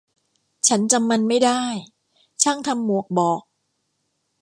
ฉันจำมันไม่ได้ ช่างทำหมวกบอก